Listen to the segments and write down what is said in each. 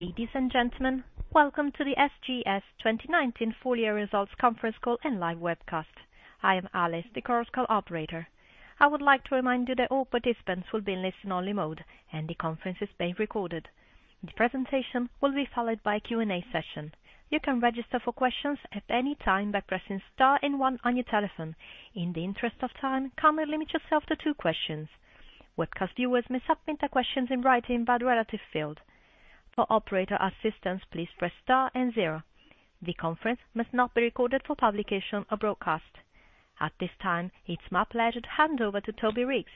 Ladies and gentlemen, welcome to the SGS 2019 full year results conference call and live webcast. I am Alice, the conference call operator. I would like to remind you that all participants will be in listen-only mode, and the conference is being recorded. The presentation will be followed by a Q&A session. You can register for questions at any time by pressing star and one on your telephone. In the interest of time, kindly limit yourself to two questions. Webcast viewers may submit their questions in writing by the relative field. For operator assistance, please press star and zero. The conference must not be recorded for publication or broadcast. At this time, it's my pleasure to hand over to Toby Reeks,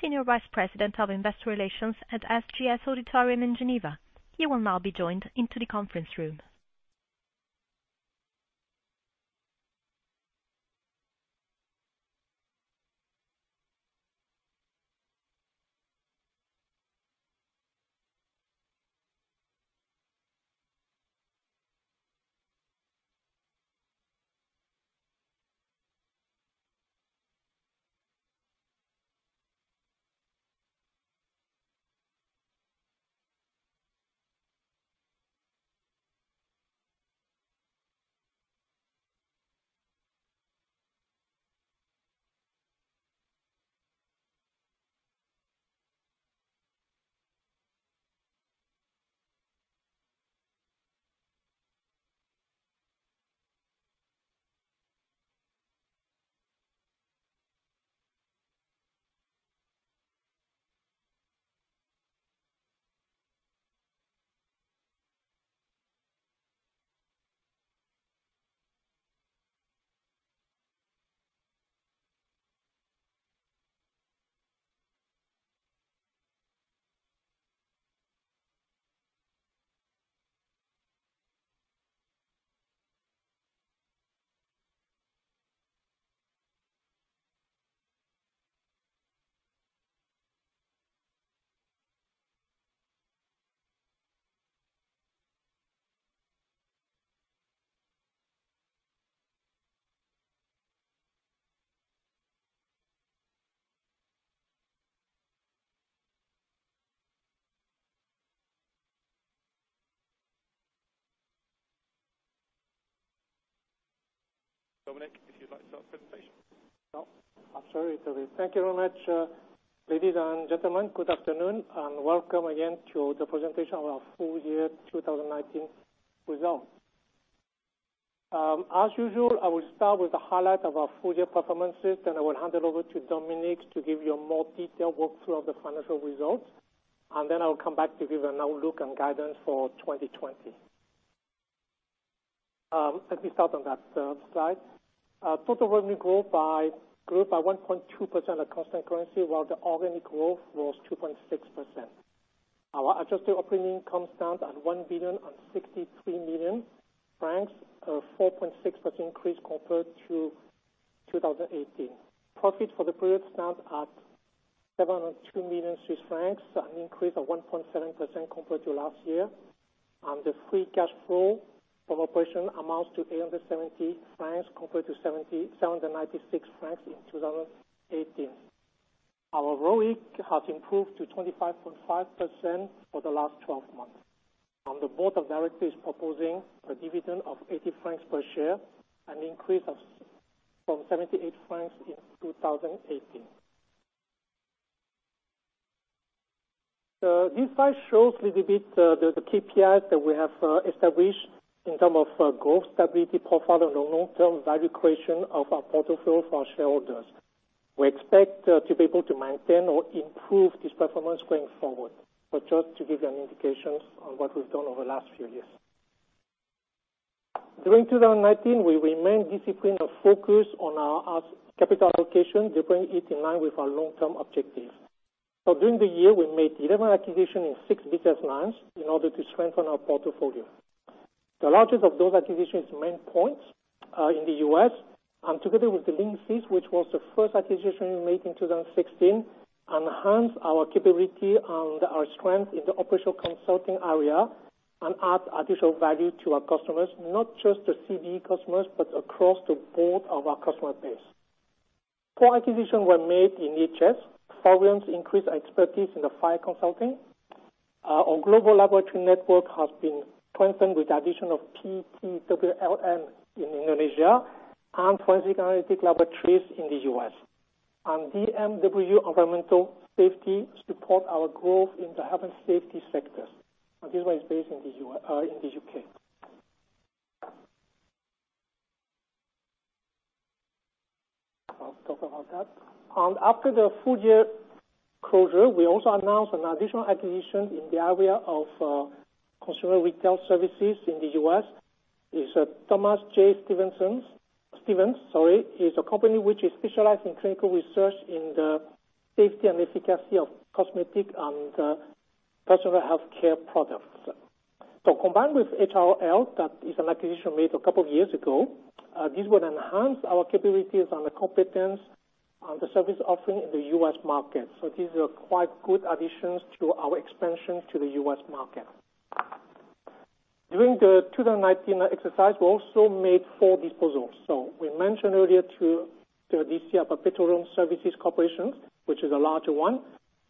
Senior Vice President of Investor Relations at SGS auditorium in Geneva. He will now be joined into the conference room. Dominik, if you'd like to start the presentation. Sure. Sure, Toby. Thank you very much. Ladies and gentlemen, good afternoon, and welcome again to the presentation of our full year 2019 results. As usual, I will start with the highlight of our full year performances, then I will hand it over to Dominik to give you a more detailed walkthrough of the financial results, and then I will come back to give an outlook and guidance for 2020. Let me start on that slide. Total revenue grew by 1.2% at constant currency, while the organic growth was 2.6%. Our adjusted operating income stands at 1,063 million francs, a 4.6% increase compared to 2018. Profit for the period stands at 702 million Swiss francs, an increase of 1.7% compared to last year, and the free cash flow from operation amounts to 870 million francs, compared to 796 million francs in 2018. Our ROIC has improved to 25.5% for the last 12 months. The board of directors is proposing a dividend of 80 francs per share, an increase from 78 francs in 2018. This slide shows a little bit the KPIs that we have established in terms of growth, stability, profit, and the long-term value creation of our portfolio for our shareholders. We expect to be able to maintain or improve this performance going forward. Just to give you an indication on what we've done over the last few years. During 2019, we remained disciplined and focused on our capital allocation, deploying it in line with our long-term objectives. During the year, we made 11 acquisitions in six business lines in order to strengthen our portfolio. The largest of those acquisitions, Maine Pointe, in the U.S., and together with the Linkage, which was the first acquisition we made in 2016, enhance our capability and our strength in the operational consulting area and add additional value to our customers, not just the CBE customers, but across the board of our customer base. Four acquisitions were made in EHS. Floriaan B.V. increase expertise in the fire consulting. Our global laboratory network has been strengthened with the addition of PT WLN Indonesia in Indonesia and Forensic Analytical Laboratories in the U.S. DMW Environmental Safety support our growth in the health and safety sector. This one is based in the U.K. I'll talk about that. After the full year closure, we also announced an additional acquisition in the area of Consumer Retail Services in the U.S. It's Thomas J. Stephens. It's a company which is specialized in clinical research in the safety and efficacy of cosmetic and personal healthcare products. Combined with HRL, that is an acquisition made a couple of years ago, this would enhance our capabilities and the competence and the service offering in the U.S. market. These are quite good additions to our expansion to the U.S. market. During the 2019 exercise, we also made four disposals. We mentioned earlier through the Petroleum Services Corporation, which is a larger one.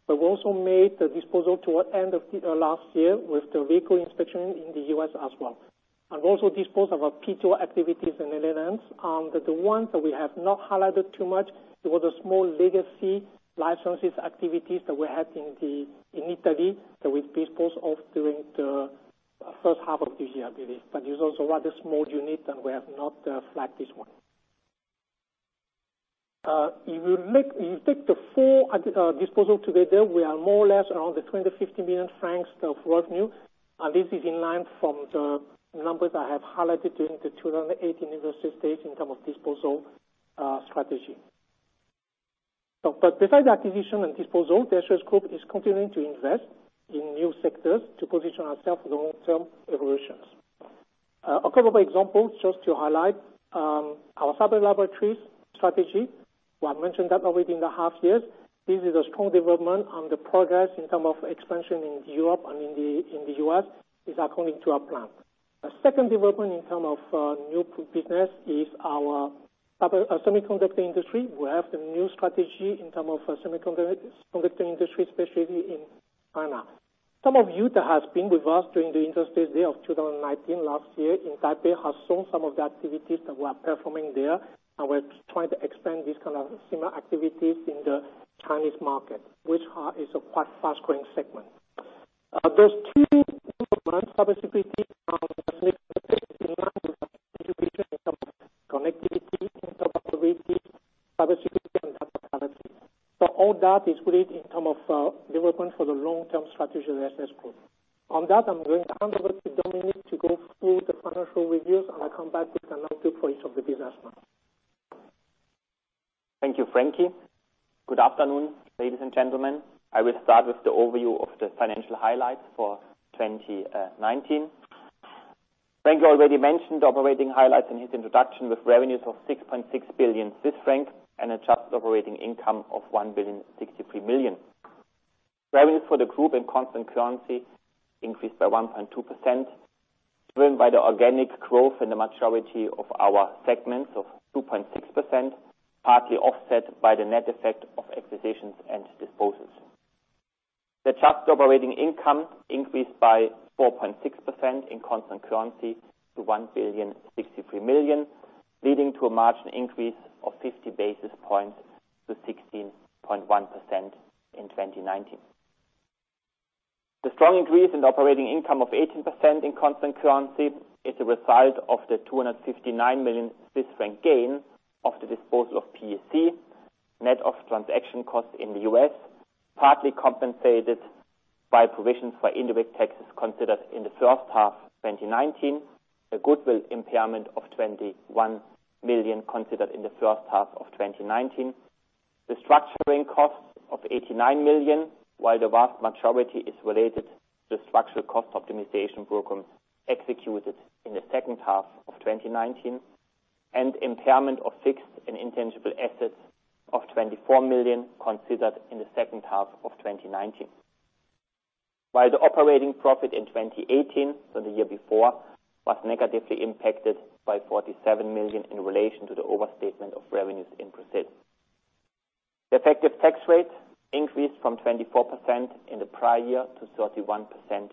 We also made the disposal toward end of last year with the vehicle inspection in the U.S. as well, and also dispose of our P2 activities in the Netherlands. The ones that we have not highlighted too much were the small legacy licenses activities that we had in Italy that we dispose of during the first half of this year, I believe. It's also a rather small unit, and we have not flagged this one. If you take the four disposal together, we are more or less around the 250 million francs of revenue. This is in line from the numbers I have highlighted during the 2018 investor stage in terms of disposal strategy. Besides acquisition and disposal, the SGS group is continuing to invest in new sectors to position ourselves for the long-term evolutions. A couple of examples just to highlight, our cyber laboratories strategy. We have mentioned that already in the half years. This is a strong development, and the progress in terms of expansion in Europe and in the U.S. is according to our plan. A second development in terms of new business is our Semiconductor industry. We have the new strategy in terms of Semiconductor industry, especially in China. Some of you that has been with us during the Investor Day of 2019 last year in Taipei, have seen some of the activities that we're performing there. We're trying to expand these kind of similar activities in the Chinese market, which is a quite fast-growing segment. Those two developments, cybersecurity connectivity, interoperability, cybersecurity and data analytics, all that is really in term of development for the long term strategy of the SGS Group. On that, I'm going to hand over to Dominik to go through the financial reviews, and I come back with an update for each of the business line. Thank you, Frankie. Good afternoon, ladies and gentlemen. I will start with the overview of the financial highlights for 2019. Frankie already mentioned operating highlights in his introduction with revenues of 6.6 billion Swiss francs and adjusted operating income of 1.063 billion. Revenue for the group in constant currency increased by 1.2%, driven by the organic growth in the majority of our segments of 2.6%, partly offset by the net effect of acquisitions and disposals. The adjusted operating income increased by 4.6% in constant currency to 1.063 billion, leading to a margin increase of 50 basis points to 16.1% in 2019. The strong increase in operating income of 18% in constant currency is a result of the 259 million Swiss franc gain of the disposal of PSC, net of transaction costs in the U.S., partly compensated by provisions for individual taxes considered in the first half 2019, a goodwill impairment of 21 million considered in the first half of 2019. The structuring costs of 89 million, while the vast majority is related to the structural cost optimization program executed in the second half of 2019, and impairment of fixed and intangible assets of 24 million considered in the second half of 2019. The operating profit in 2018, so the year before, was negatively impacted by 47 million in relation to the overstatement of revenues in Brazil. The effective tax rate increased from 24% in the prior year to 31%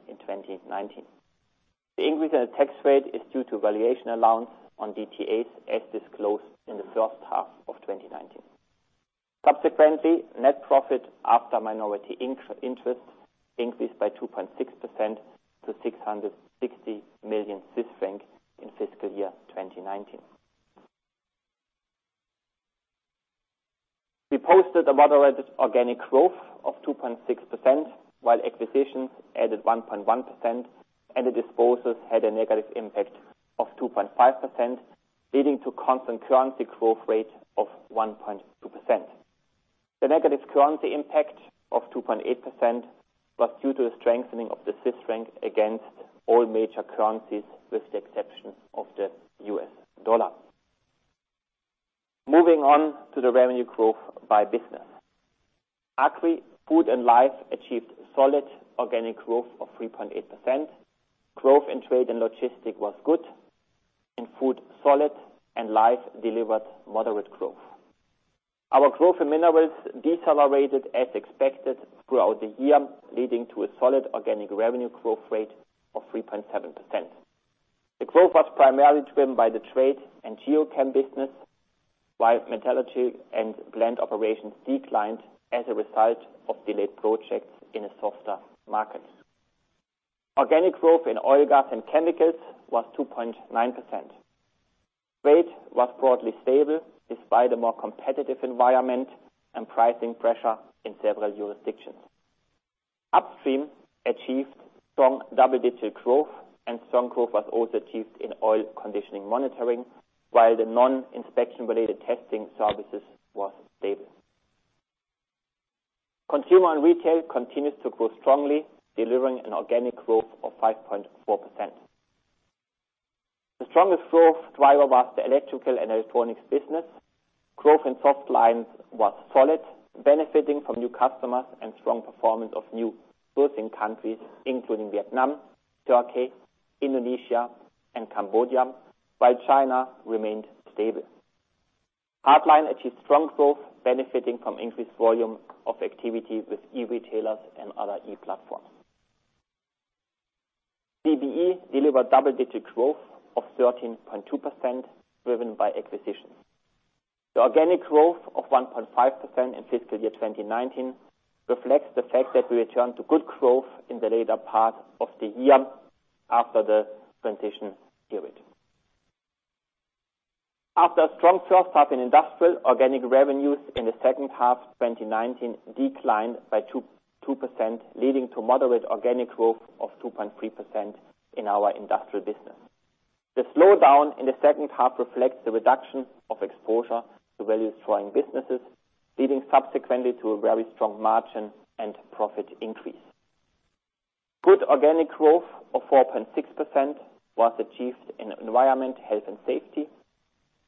in 2019. The increase in the tax rate is due to valuation allowance on DTAs, as disclosed in the first half of 2019. Subsequently, net profit after minority interest increased by 2.6% to 660 million Swiss franc in fiscal year 2019. We posted a moderate organic growth of 2.6%, while acquisitions added 1.1% and the disposals had a negative impact of 2.5%, leading to constant currency growth rate of 1.2%. The negative currency impact of 2.8% was due to a strengthening of the Swiss franc against all major currencies, with the exception of the U.S. dollar. Moving on to the revenue growth by business. Agri Food & Life achieved solid organic growth of 3.8%. Growth in trade and logistic was good, in food solid, and life delivered moderate growth. Our growth in Minerals decelerated as expected throughout the year, leading to a solid organic revenue growth rate of 3.7%. The growth was primarily driven by the Trade and Geochemistry business, while metallurgy and plant operations declined as a result of delayed projects in a softer market. Organic growth in Oil, Gas & Chemicals was 2.9%. Weight was broadly stable despite a more competitive environment and pricing pressure in several jurisdictions. Upstream achieved strong double-digit growth and strong growth was also achieved in oil conditioning monitoring, while the non-inspection related testing services was stable. Consumer and Retail continues to grow strongly, delivering an organic growth of 5.4%. The strongest growth driver was the Electrical and Electronics business. Growth in Softlines was solid, benefiting from new customers and strong performance of new sourcing countries, including Vietnam, Turkey, Indonesia, and Cambodia, while China remained stable. Hardline achieved strong growth benefiting from increased volume of activity with e-retailers and other e-platforms. CBE delivered double-digit growth of 13.2%, driven by acquisitions. The organic growth of 1.5% in fiscal year 2019 reflects the fact that we returned to good growth in the later part of the year after the transition period. After a strong first half in Industries & Environment, organic revenues in the second half 2019 declined by 2%, leading to moderate organic growth of 2.3% in our Industries & Environment business. The slowdown in the second half reflects the reduction of exposure to value destroying businesses, leading subsequently to a very strong margin and profit increase. Good organic growth of 4.6% was achieved in Environment, Health and Safety,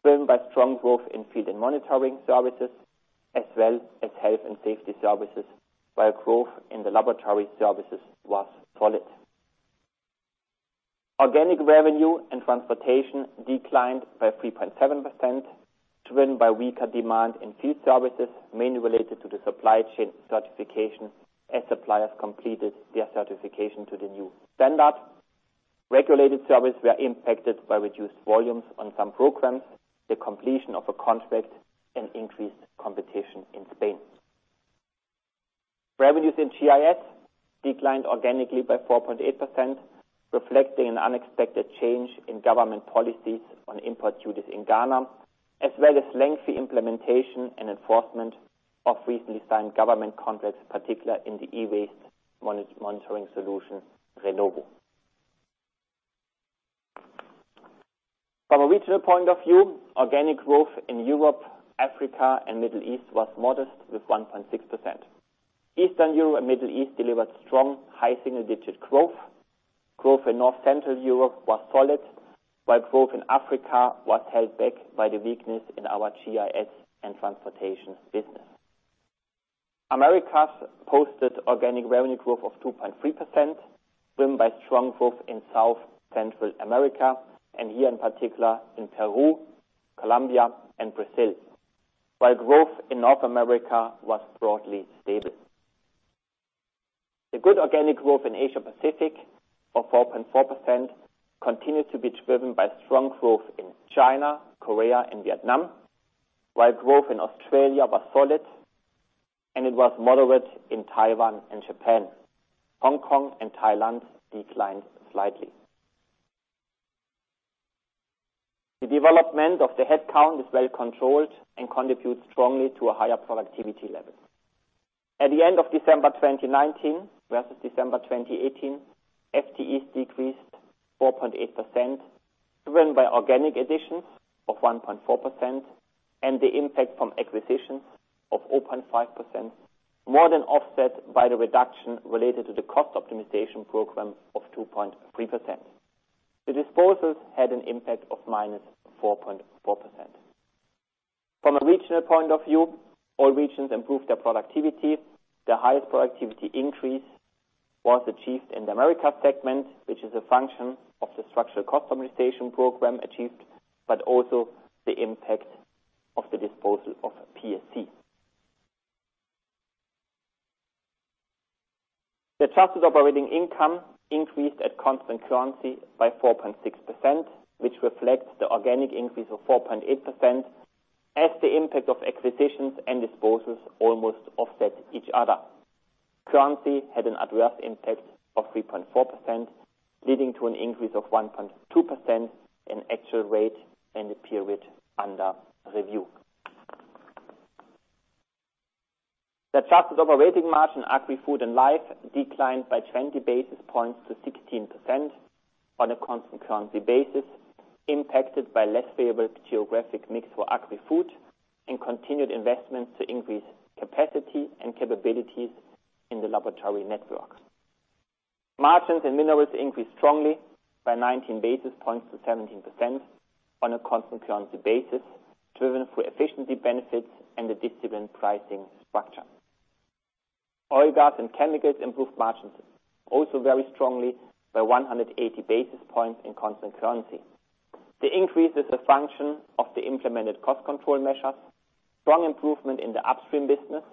driven by strong growth in field and monitoring services, as well as health and safety services, while growth in the laboratory services was solid. Organic revenue and transportation declined by 3.7%, driven by weaker demand in field services, mainly related to the supply chain certification as suppliers completed their certification to the new standard. Regulated services were impacted by reduced volumes on some programs, the completion of a contract, and increased competition in Spain. Revenues in GIS declined organically by 4.8%, reflecting an unexpected change in government policies on import duties in Ghana, as well as lengthy implementation and enforcement of recently signed government contracts, particularly in the e-waste monitoring solution, SGS Renovo. From a regional point of view, organic growth in Europe, Africa, and Middle East was modest with 1.6%. Eastern Europe and Middle East delivered strong high single-digit growth. Growth in North Central Europe was solid, while growth in Africa was held back by the weakness in our GIS and Transportation business. Americas posted organic revenue growth of 2.3%, driven by strong growth in South Central America, and here in particular in Peru, Colombia, and Brazil. While growth in North America was broadly stable. The good organic growth in Asia Pacific of 4.4% continued to be driven by strong growth in China, Korea, and Vietnam, while growth in Australia was solid, and it was moderate in Taiwan and Japan. Hong Kong and Thailand declined slightly. The development of the headcount is well controlled and contributes strongly to a higher productivity level. At the end of December 2019 versus December 2018, FTEs decreased 4.8%, driven by organic additions of 1.4% and the impact from acquisitions of 0.5%, more than offset by the reduction related to the cost optimization program of 2.3%. The disposals had an impact of -4.4%. From a regional point of view, all regions improved their productivity. The highest productivity increase was achieved in the America segment, which is a function of the structural cost optimization program achieved, but also the impact of the disposal of PSC. The adjusted operating income increased at constant currency by 4.6%, which reflects the organic increase of 4.8% as the impact of acquisitions and disposals almost offset each other. Currency had an adverse impact of 3.4%, leading to an increase of 1.2% in actual rate and the period under review. The adjusted operating margin Agri Food & Life declined by 20 basis points to 16% on a constant currency basis, impacted by less favorable geographic mix for Agri Food and continued investments to increase capacity and capabilities in the laboratory networks. Margins in Minerals increased strongly by 19 basis points to 17% on a constant currency basis, driven through efficiency benefits and a disciplined pricing structure. Oil, Gas & Chemicals improved margins also very strongly by 180 basis points in constant currency. The increase is a function of the implemented cost control measures, strong improvement in the Upstream business,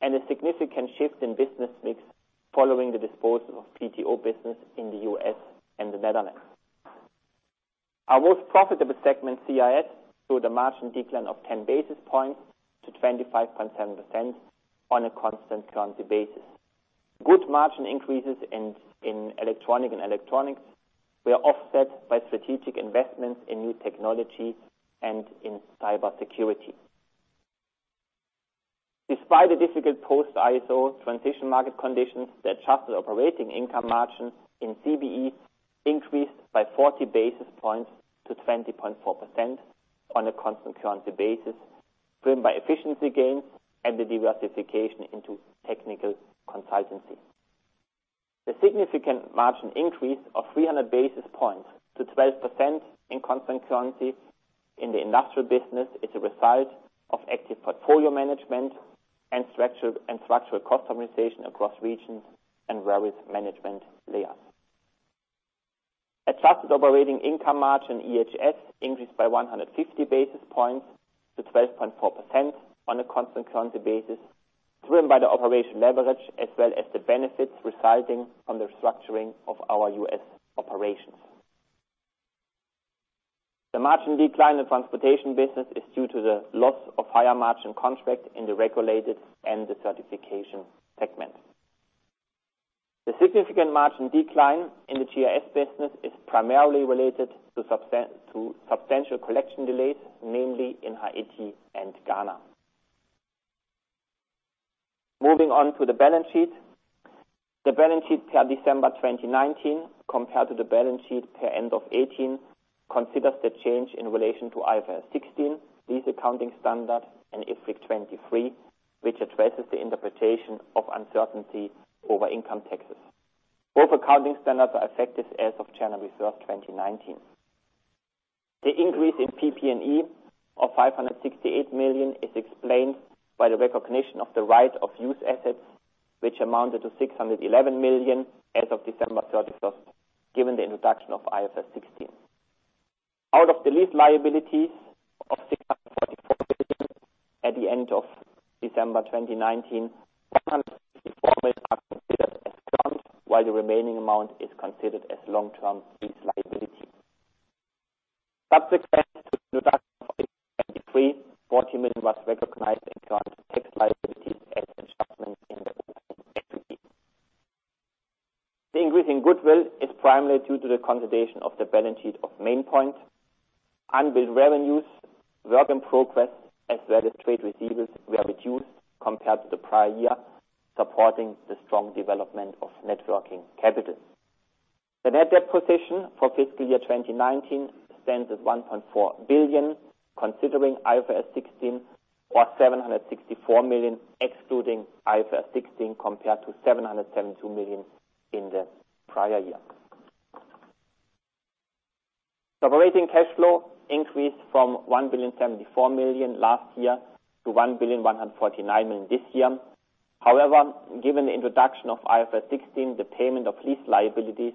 and a significant shift in business mix following the disposal of PSC business in the U.S. and the Netherlands. Our most profitable segment, CIS, saw the margin decline of 10 basis points to 25.7% on a constant currency basis. Good margin increases in E&E were offset by strategic investments in new technologies and in cybersecurity. Despite the difficult post-ISO transition market conditions, the adjusted operating income margin in CBE increased by 40 basis points to 20.4% on a constant currency basis, driven by efficiency gains and the diversification into technical consultancy. The significant margin increase of 300 basis points to 12% in constant currency in the industrial business is a result of active portfolio management and structural cost optimization across regions and various management layers. Adjusted operational income margin, EHS, increased by 150 basis points to 12.4% on a constant currency basis, driven by the operational leverage as well as the benefits resulting from the restructuring of our U.S. operations. The margin decline in Transportation business is due to the loss of higher margin contract in the regulated and the certification segment. The significant margin decline in the GIS business is primarily related to substantial collection delays, mainly in Haiti and Ghana. Moving on to the balance sheet. The balance sheet per December 2019 compared to the balance sheet per end of 2018 considers the change in relation to IFRS 16, lease accounting standard, and IFRIC 23, which addresses the interpretation of uncertainty over income taxes. Both accounting standards are effective as of January 1st, 2019. The increase in PP&E of 568 million is explained by the recognition of the right of use assets, which amounted to 611 million as of December 31st, given the introduction of IFRS 16. Out of the lease liabilities of 644 million at the end of December 2019, 154 million are considered as short, while the remaining amount is considered as long-term lease liability. Subsequent to the introduction of IFRIC 23, CHF 40 million was recognized in current tax liability as adjustments in the equity. The increase in goodwill is primarily due to the consolidation of the balance sheet of Maine Pointe. Unbilled revenues, work in progress, as well as trade receivables were reduced compared to the prior year, supporting the strong development of net working capital. The net debt position for FY 2019 stands at 1.4 billion, considering IFRS 16 or 764 million excluding IFRS 16 compared to 772 million in the prior year. Operating cash flow increased from 1.074 billion last year to 1.149 billion this year. Given the introduction of IFRS 16, the payment of lease liabilities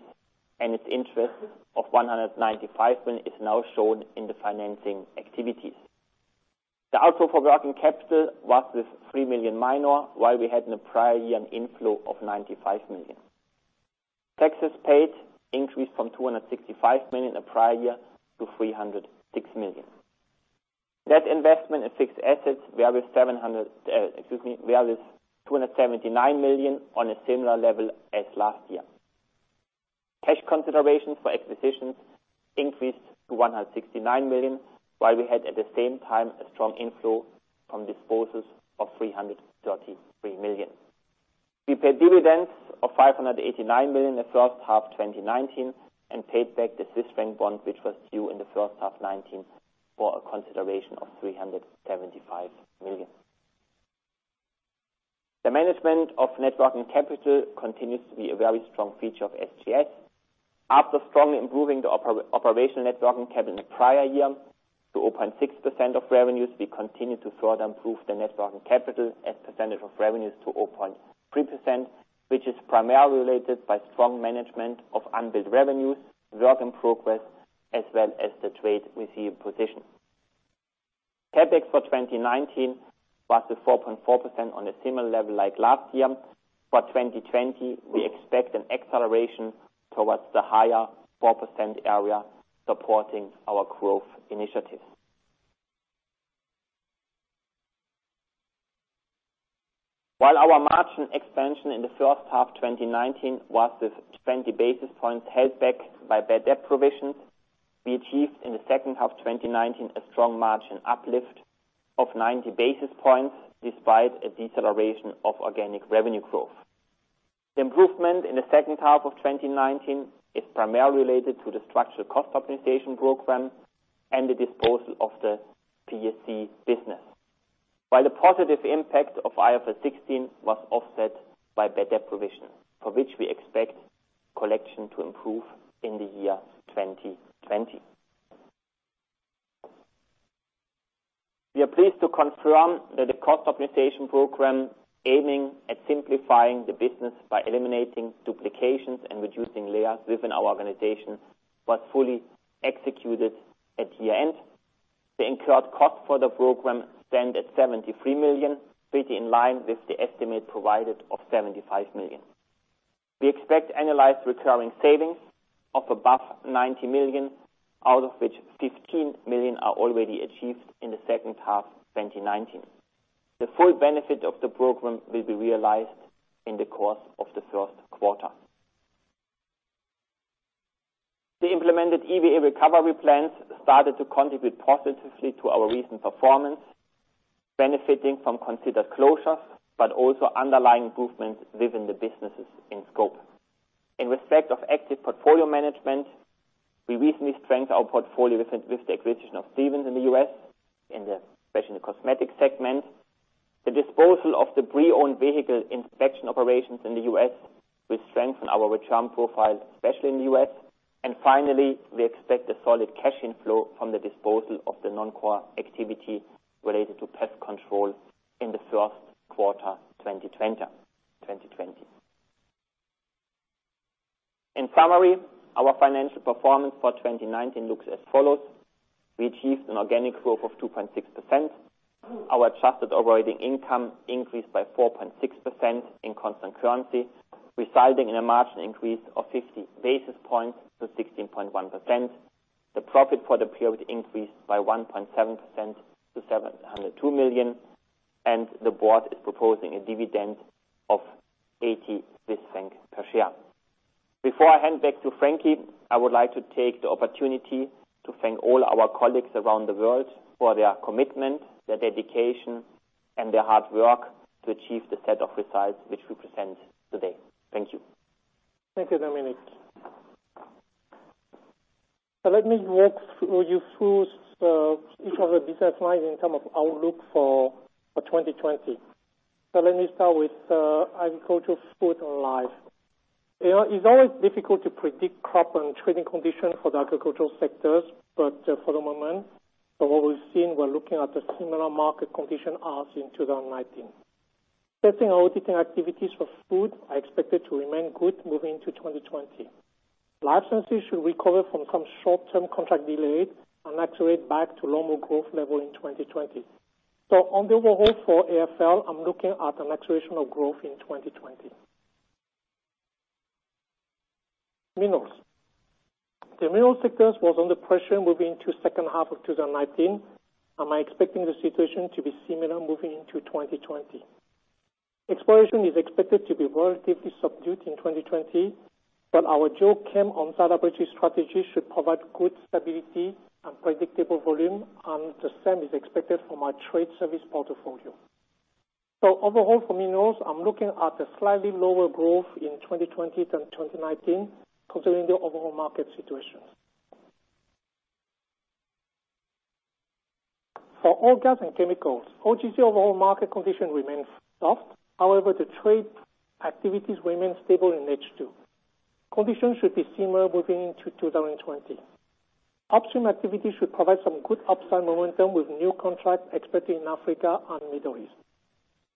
and its interest of 195 million is now shown in the financing activities. The outflow for working capital was with 3 million minor, while we had in the prior year an inflow of 95 million. Taxes paid increased from 265 million the prior year to 306 million. Net investment in fixed assets were with 279 million on a similar level as last year. Cash consideration for acquisitions increased to 169 million, while we had at the same time a strong inflow from disposals of 333 million. We paid dividends of 589 million in the first half 2019 and paid back the Swiss Franc Bond, which was due in the first half 2019 for a consideration of 375 million. The management of net working capital continues to be a very strong feature of SGS. After strongly improving the operational net working capital in the prior year to 0.6% of revenues, we continue to further improve the net working capital as percent of revenues to 0.3%, which is primarily related to strong management of unbilled revenues, work in progress, as well as the trade receivable position. CapEx for 2019 was at 4.4% on a similar level like last year. For 2020, we expect an acceleration towards the higher 4% area supporting our growth initiatives. While our margin expansion in the first half 2019 was with 20 basis points held back by bad debt provisions, we achieved in the second half 2019 a strong margin uplift of 90 basis points despite a deceleration of organic revenue growth. The improvement in the second half of 2019 is primarily related to the structural cost optimization program and the disposal of the PSC business. While the positive impact of IFRS 16 was offset by bad debt provision, for which we expect collection to improve in the year 2020. We are pleased to confirm that the cost optimization program aiming at simplifying the business by eliminating duplications and reducing layers within our organization was fully executed at year-end. The incurred cost for the program stand at 73 million, pretty in line with the estimate provided of 75 million. We expect annualized recurring savings of above 90 million, out of which 15 million are already achieved in the second half 2019. The full benefit of the program will be realized in the course of the first quarter. The implemented EVA recovery plans started to contribute positively to our recent performance, benefiting from considered closures, but also underlying improvements within the businesses in scope. In respect of active portfolio management. We recently strengthened our portfolio with the acquisition of Stephens in the U.S., especially in the cosmetic segment. The disposal of the pre-owned vehicle inspection operations in the U.S. will strengthen our return profile, especially in the U.S. Finally, we expect a solid cash inflow from the disposal of the non-core activity related to pest control in the first quarter 2020. In summary, our financial performance for 2019 looks as follows: We achieved an organic growth of 2.6%. Our adjusted EBIT increased by 4.6% in constant currency, resulting in a margin increase of 50 basis points to 16.1%. The profit for the period increased by 1.7% to 702 million. The board is proposing a dividend of 80 Swiss francs per share. Before I hand back to Frankie, I would like to take the opportunity to thank all our colleagues around the world for their commitment, their dedication, and their hard work to achieve the set of results which we present today. Thank you. Thank you, Dominik. Let me walk you through each of the business lines in terms of outlook for 2020. Let me start with Agriculture, Food & Life. It's always difficult to predict crop and trading conditions for the agricultural sectors. For the moment, from what we've seen, we're looking at a similar market condition as in 2019. Testing and auditing activities for food are expected to remain good moving to 2020. Life sciences should recover from some short-term contract delays and accelerate back to normal growth level in 2020. On the overall for AFL, I'm looking at an acceleration of growth in 2020. Minerals. The Minerals sectors was under pressure moving to second half of 2019. I am expecting the situation to be similar moving into 2020. Exploration is expected to be relatively subdued in 2020, but our Geochem on site laboratory strategy should provide good stability and predictable volume, and the same is expected for my trade service portfolio. Overall for Minerals, I'm looking at a slightly lower growth in 2020 than 2019 considering the overall market situation. For Oil, Gas & Chemicals, OGC overall market condition remains soft. However, the trade activities remain stable in H2. Conditions should be similar moving into 2020. Upstream activity should provide some good upside momentum with new contracts expected in Africa and Middle East.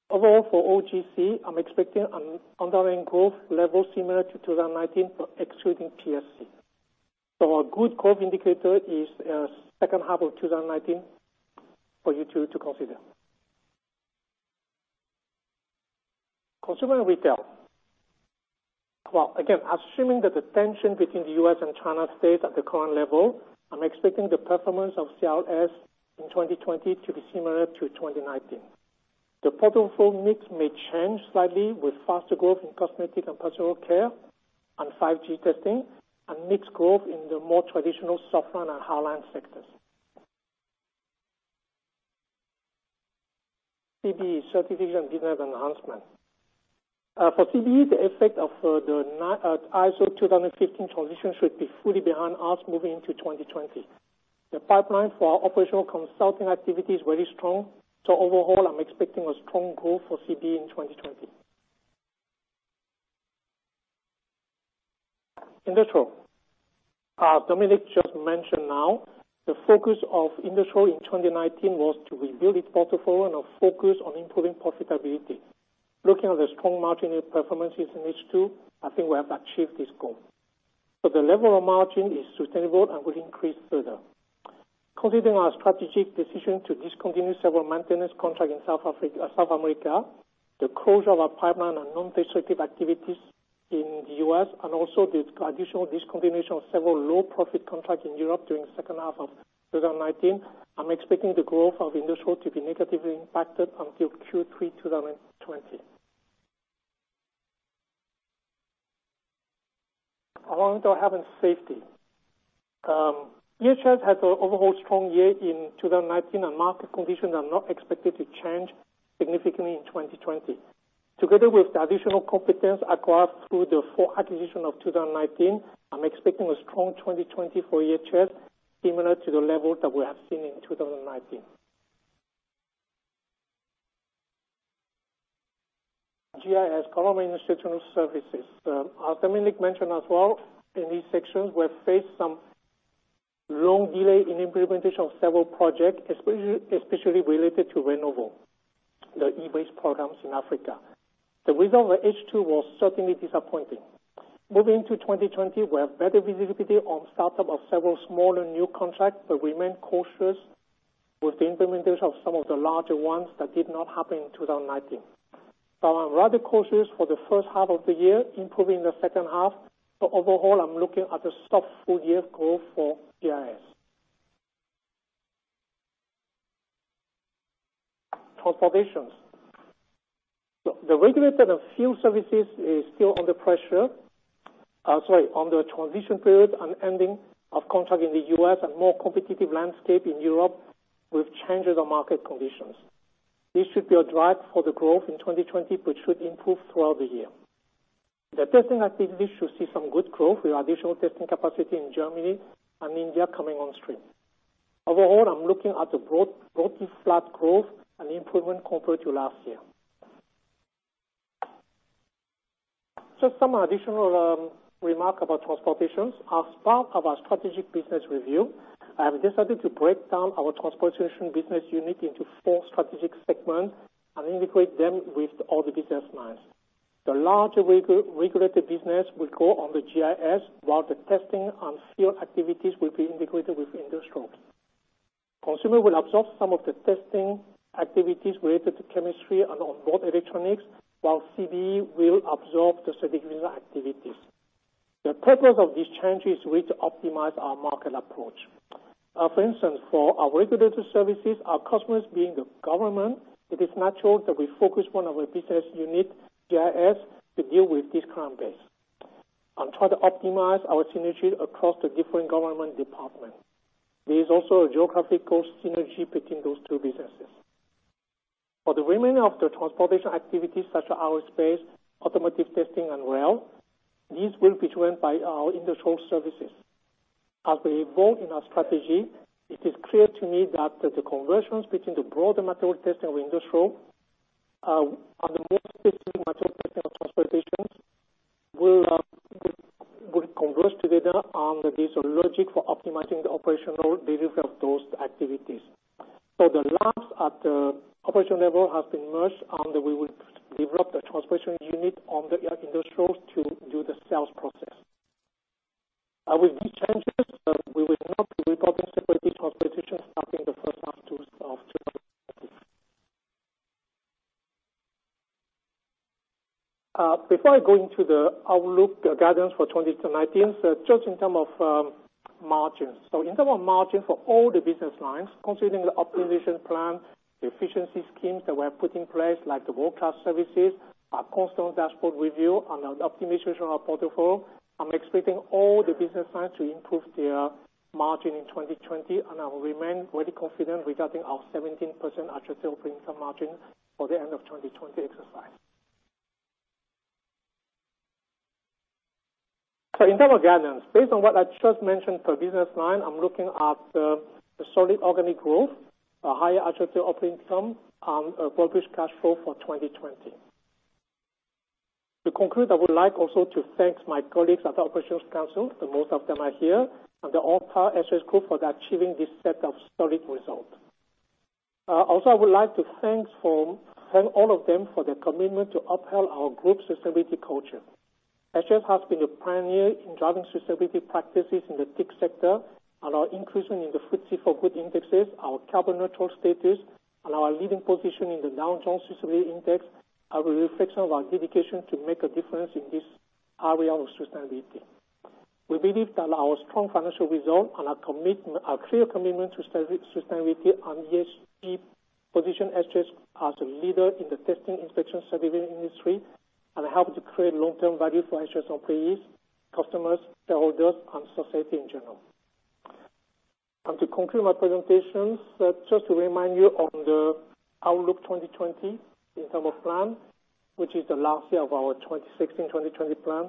Overall for OGC, I'm expecting an underlying growth level similar to 2019 for excluding PSC. A good growth indicator is second half of 2019 for you to consider. Consumer and Retail. Again, assuming that the tension between the U.S. and China stays at the current level, I'm expecting the performance of CRS in 2020 to be similar to 2019. The portfolio mix may change slightly with faster growth in cosmetic and personal care and 5G testing, and mixed growth in the more traditional softline and hardline sectors. CBE, Certification and Business Enhancement. For CBE, the effect of the ISO 9001:2015 transition should be fully behind us moving into 2020. The pipeline for our operational consulting activity is very strong. Overall, I'm expecting a strong growth for CBE in 2020. Industries & Environment. As Dominik just mentioned now, the focus of Industries & Environment in 2019 was to rebuild its portfolio and a focus on improving profitability. Looking at the strong marginal performances in H2, I think we have achieved this goal. The level of margin is sustainable and will increase further. Considering our strategic decision to discontinue several maintenance contract in South America, the closure of our pipeline and non-destructive activities in the U.S., Also the additional discontinuation of several low profit contracts in Europe during second half of 2019, I'm expecting the growth of industrial to be negatively impacted until Q3 2020. Health, Environment, Safety. EHS had a overall strong year in 2019. Market conditions are not expected to change significantly in 2020. Together with the additional competence acquired through the four acquisition of 2019, I'm expecting a strong 2020 for EHS similar to the level that we have seen in 2019. GIS, Government Institutional Services. As Dominik mentioned as well, in these sections, we have faced some long delay in implementation of several projects, especially related to SGS Renovo, the e-waste programs in Africa. The result for H2 was certainly disappointing. Moving to 2020, we have better visibility on startup of several smaller new contracts but remain cautious with the implementation of some of the larger ones that did not happen in 2019. I am rather cautious for the first half of the year, improving the second half. Overall, I'm looking at a soft full-year growth for GIS. Transportations. The regulated and fuel services is still under transition period and ending of contract in the U.S. and more competitive landscape in Europe with changes of market conditions. This should be a drive for the growth in 2020, but should improve throughout the year. The testing activity should see some good growth with additional testing capacity in Germany and India coming on stream. Overall, I'm looking at a broadly flat growth and improvement compared to last year. Just some additional remarks about transportations. As part of our strategic business review, I have decided to break down our Transportation business unit into four strategic segments and integrate them with all the business lines. The larger regulated business will go on the GIS, while the testing and field activities will be integrated with Industrial. Consumer will absorb some of the testing activities related to chemistry and on-board electronics, while CBE will absorb the certificate activities. The purpose of this change is really to optimize our market approach. For instance, for our regulatory services, our customers being the government, it is natural that we focus one of our business unit, GIS, to deal with this client base and try to optimize our synergy across the different government departments. There is also a geographical synergy between those two businesses. For the remainder of the transportation activities such as aerospace, automotive testing, and rail, these will be joined by our industrial services. As we evolve in our strategy, it is clear to me that the conversions between the broader material testing or industrial and the more specific material testing or transportations will converge together under this logic for optimizing the operational delivery of those activities. The labs at the operational level have been merged, and we will develop the transportation unit under Industrials to do the sales process. With these changes, we will now be reporting separately on Transportation starting the first half of 2020. Before I go into the outlook guidance for 2020-2019, just in term of margins. In terms of margin for all the business lines, considering the optimization plan, the efficiency schemes that we have put in place, like the World Class Services, our constant dashboard review, and optimization of our portfolio, I'm expecting all the business lines to improve their margin in 2020, and I will remain very confident regarding our 17% adjusted operating income margin for the end of 2020 exercise. In terms of guidance, based on what I just mentioned per business line, I'm looking at a solid organic growth, a higher adjusted operating income, and a robust cash flow for 2020. To conclude, I would like also to thank my colleagues at the Operations Council, and most of them are here, and the whole entire SGS group for achieving this set of solid results. Also, I would like to thank all of them for their commitment to uphold our group sustainability culture. SGS has been a pioneer in driving sustainability practices in the TIC sector, and our inclusion in the FTSE4Good indexes, our carbon neutral status, and our leading position in the Dow Jones Sustainability Index are a reflection of our dedication to make a difference in this area of sustainability. We believe that our strong financial result and our clear commitment to sustainability and ESG position SGS as a leader in the testing inspection sustainability industry and help to create long-term value for SGS employees, customers, shareholders, and society in general. To conclude my presentations, just to remind you on the outlook 2020 in term of plan, which is the last year of our 2016-2020 plan.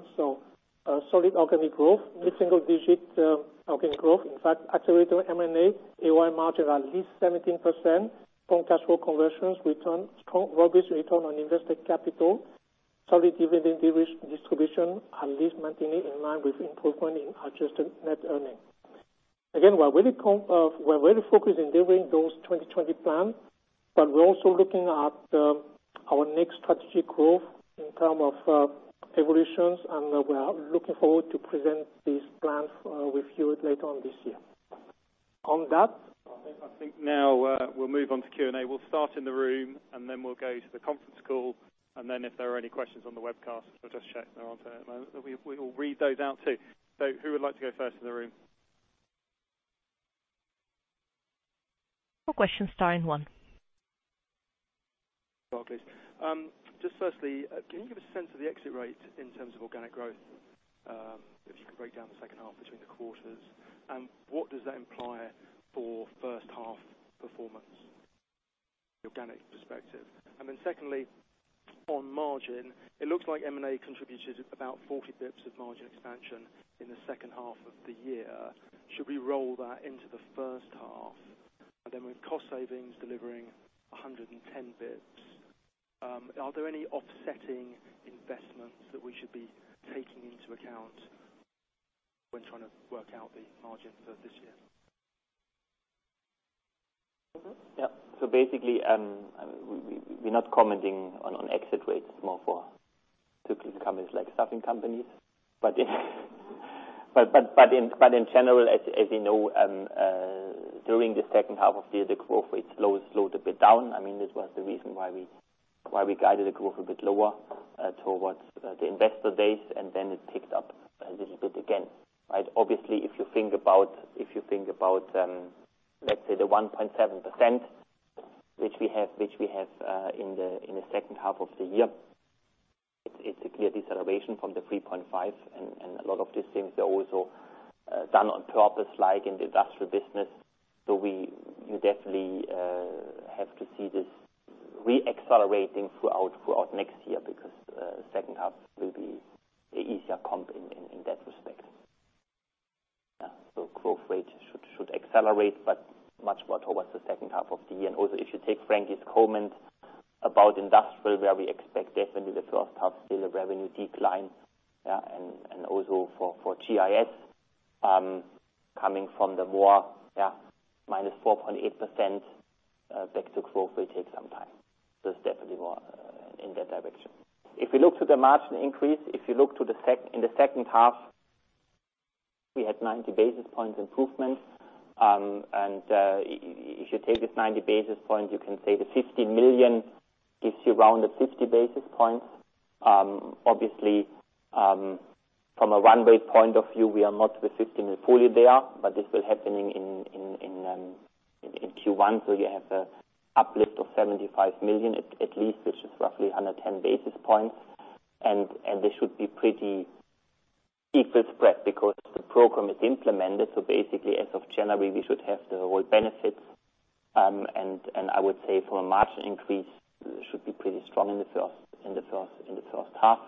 A solid organic growth, mid-single-digit organic growth. In fact, accelerated M&A, AOI margin at least 17%, strong cash flow conversions return, strong ROE return on invested capital, solid dividend distribution, at least maintain it in line with improvement in adjusted net earning. Again, we're really focused in delivering those 2020 plan, but we're also looking at our next strategic growth in term of evolutions. We are looking forward to present these plans with you later on this year. I think now we'll move on to Q&A. We'll start in the room, and then we'll go to the conference call, and then if there are any questions on the webcast, I'll just check. No, I don't know. We will read those out, too. Who would like to go first in the room? For questions, star and one. Barclays. Just firstly, can you give a sense of the exit rate in terms of organic growth? If you can break down the second half between the quarters. What does that imply for first half performance, organic perspective? Secondly, on margin, it looks like M&A contributed about 40 basis points of margin expansion in the second half of the year. Should we roll that into the first half? With cost savings delivering 110 basis points, are there any offsetting investments that we should be taking into account when trying to work out the margins of this year? Yeah. Basically, we're not commenting on exit rates, more for cyclical companies like staffing companies. In general, as you know, during the second half of the year, the growth rate slowed a bit down. This was the reason why we guided the growth a bit lower towards the investor days, it picked up a little bit again. Obviously, if you think about let's say the 1.7%, which we have in the second half of the year. It's a clear deceleration from the 3.5%, a lot of these things are also done on purpose, like in the industrial business. You definitely have to see this re-accelerating throughout next year, because second half will be easier comp in that respect. Growth rate should accelerate, much more towards the second half of the year. If you take Frankie's comment about industrial, where we expect definitely the first half still a revenue decline. Also for GIS, coming from the more -4.8% back to growth will take some time. It's definitely more in that direction. If we look to the margin increase, if you look in the second half, we had 90 basis points improvement. If you take this 90 basis points, you can say the 50 million gives you around the 50 basis points. Obviously, from a one-way point of view, we are not with 50 million fully there, but this will happening in Q1. You have the uplift of 75 million at least, which is roughly 110 basis points, and this should be pretty equal spread because the program is implemented. Basically, as of January, we should have the whole benefits, and I would say from a margin increase, should be pretty strong in the first half.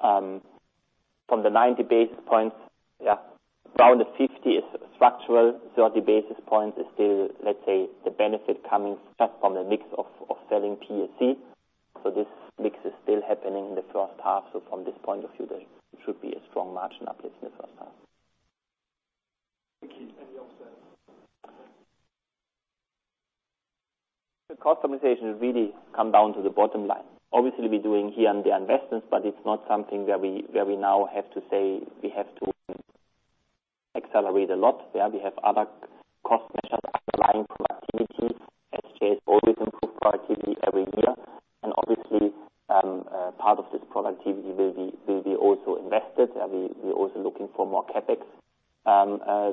From the 90 basis points, around the 50 is structural. 30 basis points is still, let's say, the benefit coming from the mix of selling PSC. This mix is still happening in the first half. From this point of view, it should be a strong margin uplift in the first half. Any offsets? The cost optimization has really come down to the bottom line. Obviously, we're doing here and there investments, but it's not something where we now have to say we have to accelerate a lot. We have other cost measures underlying productivity. SGS always improve productivity every year. Obviously, part of this productivity will be also invested. We're also looking for more CapEx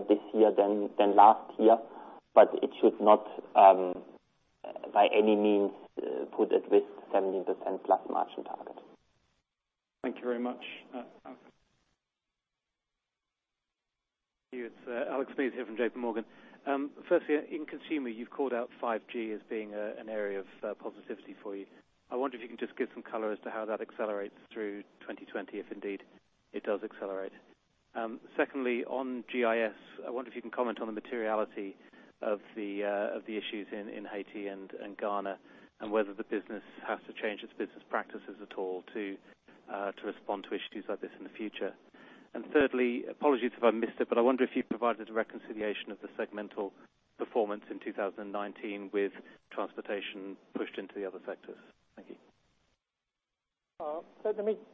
this year than last year, but it should not by any means put at risk 7%+ margin target. Thank you very much. It's Alex Mees here from JPMorgan. Firstly, in consumer, you've called out 5G as being an area of positivity for you. I wonder if you can just give some color as to how that accelerates through 2020, if indeed it does accelerate. Secondly, on GIS, I wonder if you can comment on the materiality of the issues in Haiti and Ghana, and whether the business has to change its business practices at all to respond to issues like this in the future. Thirdly, apologies if I missed it, but I wonder if you provided a reconciliation of the segmental performance in 2019 with transportation pushed into the other sectors. Thank you.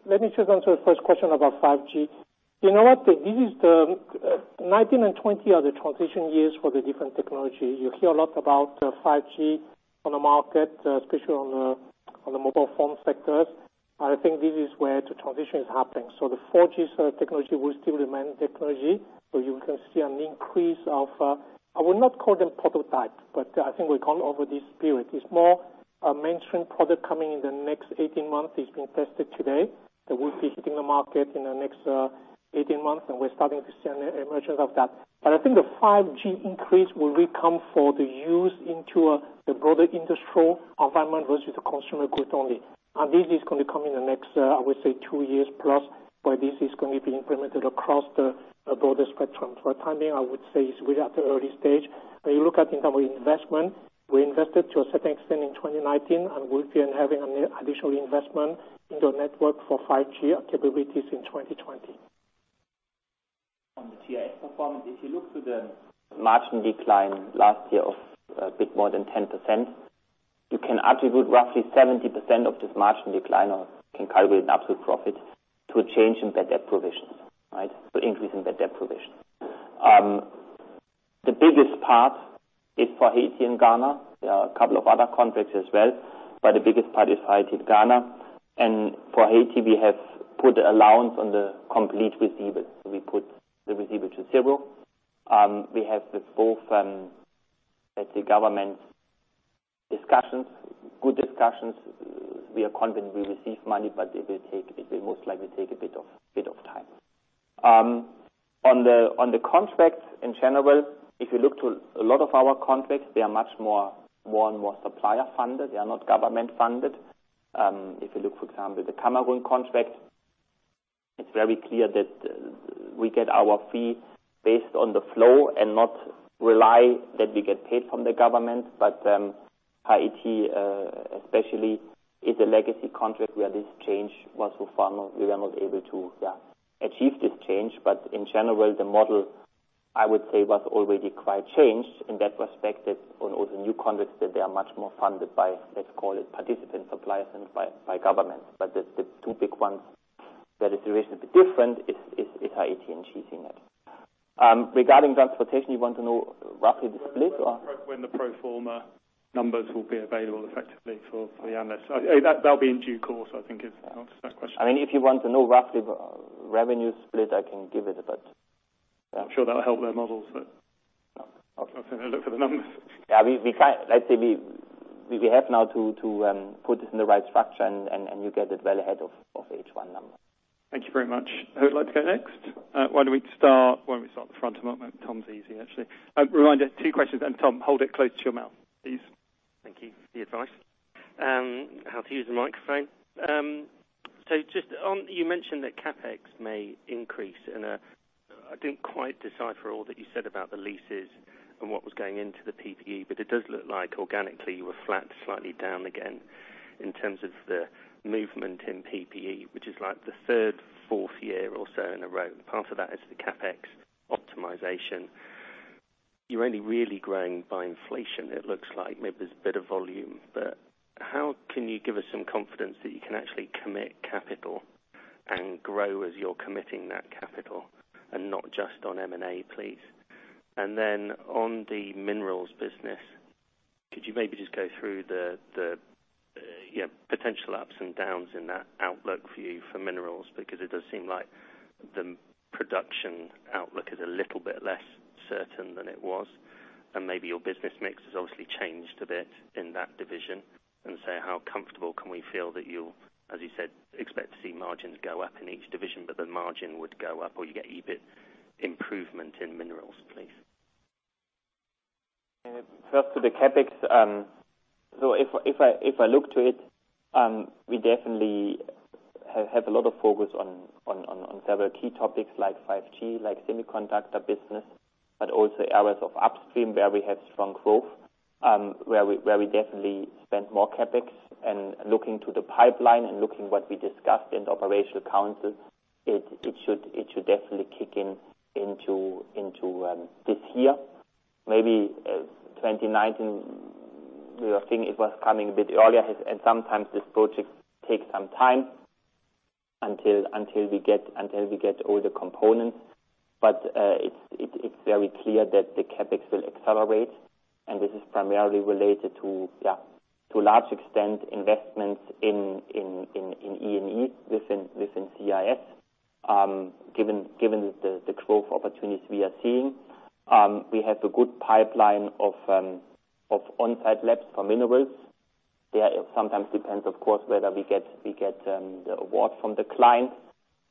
Let me just answer the first question about 5G. You know what? 2019 and 2020 are the transition years for the different technology. You hear a lot about 5G on the market, especially on the mobile phone sectors. I think this is where the transition is happening. The 4G technology will still remain technology. You can see an increase of, I will not call them prototypes, but I think we call over this period. It's more a mainstream product coming in the next 18 months. It's been tested today. They will be hitting the market in the next 18 months, and we're starting to see an emergence of that. I think the 5G increase will really come for the use into the broader industrial environment versus the consumer goods only. This is going to come in the next, I would say, two years plus, where this is going to be implemented across the broader spectrum. For timing, I would say it's really at the early stage. When you look at in terms of investment, we invested to a certain extent in 2019 and will be having additional investment in the network for 5G capabilities in 2020. On the GIS performance, if you look to the margin decline last year of a bit more than 10%, you can attribute roughly 70% of this margin decline, or can calculate absolute profit, to a change in bad debt provision. Increase in bad debt provision. The biggest part is for Haiti and Ghana. There are a couple of other contracts as well, but the biggest part is Haiti and Ghana. For Haiti, we have put allowance on the complete receivables. We put the receivable to zero. We have with both the government discussions, good discussions. We are confident we receive money, but it will most likely take a bit of time. On the contracts, in general, if you look to a lot of our contracts, they are much more and more supplier-funded. They are not government-funded. If you look, for example, the Cameroon contract, it's very clear that we get our fee based on the flow and not rely that we get paid from the government. Haiti especially is a legacy contract where this change was so far we were not able to achieve this change. In general, the model, I would say, was already quite changed in that respect that on all the new contracts, that they are much more funded by, let's call it participant suppliers than by government. The two big ones where the situation is a bit different is Haiti and Chile. Regarding transportation, you want to know roughly the split or? When the pro forma numbers will be available effectively for the analysts. That'll be in due course, I think answer that question. If you want to know roughly revenue split, I can give it, but yeah. I'm sure that'll help their models. I was going to look for the numbers. Let's say we have now to put it in the right structure and you get it well ahead of H1 numbers. Thank you very much. Who would like to go next? Why don't we start at the front? Tom's easy, actually. A reminder, two questions. Tom, hold it close to your mouth, please. Thank you for the advice on how to use the microphone. You mentioned that CapEx may increase, and I didn't quite decipher all that you said about the leases and what was going into the PPE, but it does look like organically you were flat to slightly down again in terms of the movement in PPE, which is like the third, fourth year or so in a row. Part of that is the CapEx optimization. You're only really growing by inflation, it looks like. Maybe there's a bit of volume, how can you give us some confidence that you can actually commit capital and grow as you're committing that capital and not just on M&A, please? On the Minerals business, could you maybe just go through the potential ups and downs in that outlook for you for Minerals? It does seem like the production outlook is a little bit less certain than it was, and maybe your business mix has obviously changed a bit in that division. How comfortable can we feel that you'll, as you said, expect to see margins go up in each division, but the margin would go up or you get EBIT improvement in Minerals, please? First to the CapEx. If I look to it, we definitely have had a lot of focus on several key topics like 5G, like Semiconductor business, but also areas of Upstream where we have strong growth, where we definitely spent more CapEx. Looking to the pipeline and looking what we discussed in the operational council, it should definitely kick in into this year. Maybe 2019, we were thinking it was coming a bit earlier, and sometimes this project takes some time until we get all the components. It's very clear that the CapEx will accelerate, and this is primarily related to a large extent, investments in E&E within CRS. Given the growth opportunities we are seeing, we have a good pipeline of on-site labs for Minerals. It sometimes depends, of course, whether we get the award from the client,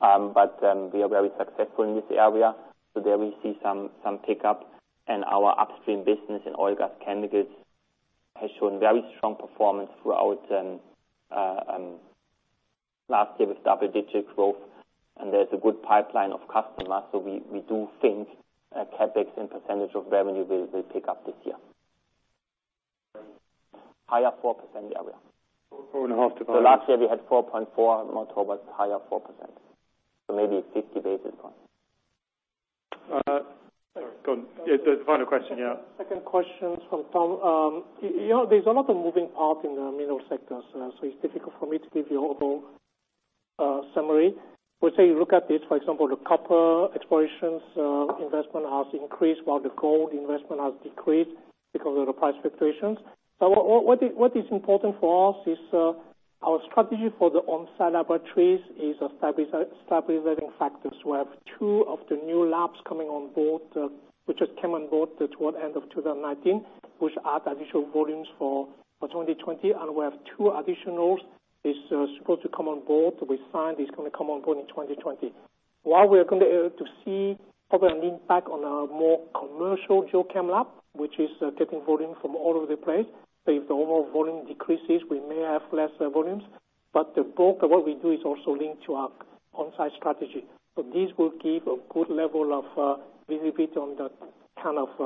but we are very successful in this area. There we see some pickup and our Upstream business in Oil, Gas & Chemicals has shown very strong performance throughout last year with double-digit growth, and there's a good pipeline of customers. We do think CapEx and percentage of revenue will pick up this year. Higher 4% area. 4.5%-5% last year we had 4.4% and October higher 4%, so maybe 50 basis points. Go on. Final question, yeah. Second question from Tom. There's a lot of moving parts in the Mineral sector, it's difficult for me to give you a overall summary. We say you look at it, for example, the copper explorations investment has increased while the gold investment has decreased because of the price fluctuations. What is important for us is our strategy for the on-site laboratories is a stabilizing factor. We have two of the new labs coming on board, which just came on board toward end of 2019, which add additional volumes for 2020. We have two additional is supposed to come on board. We signed. It's going to come on board in 2020. While we are going to see probably an impact on our more commercial geochem lab, which is getting volume from all over the place. If the overall volume decreases, we may have less volumes. The bulk of what we do is also linked to our on-site strategy. This will keep a good level of visibility on the kind of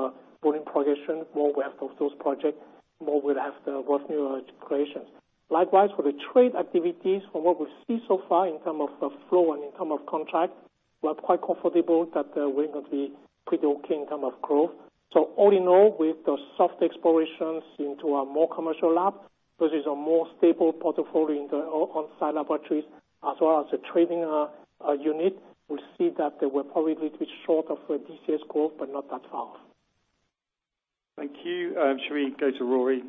volume progression. More we have of those projects, more we'll have the revenue and expansion. Likewise, for the trade activities, from what we see so far in term of the flow and in term of contract, we are quite comfortable that we're going to be pretty okay in term of growth. All in all, with the soft expansions into our more commercial lab versus a more stable portfolio in the on-site laboratories as well as the trading unit, we see that we're probably a little bit short of the DCS growth, but not that far off. Thank you. Shall we go to Rory?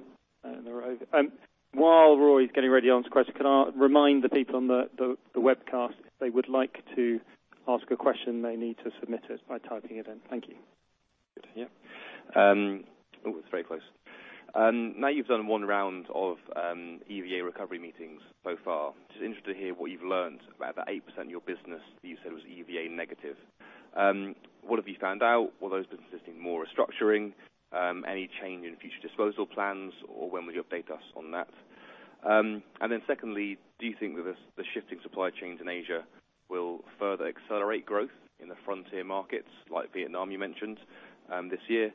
While Rory's getting ready to answer the question, can I remind the people on the webcast, if they would like to ask a question, they need to submit it by typing it in. Thank you. Yeah. Ooh, it's very close. You've done one round of EVA recovery meetings so far. Just interested to hear what you've learned about that 8% of your business that you said was EVA negative. What have you found out? Will those businesses need more restructuring? Any change in future disposal plans, when will you update us on that? Secondly, do you think that the shifting supply chains in Asia will further accelerate growth in the frontier markets like Vietnam you mentioned this year?